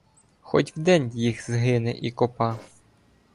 Хоть в день їх згине і копа.